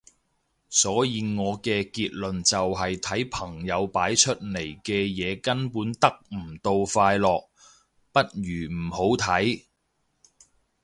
所以我嘅結論就係睇朋友擺出嚟嘅嘢根本得唔到快樂，不如唔好睇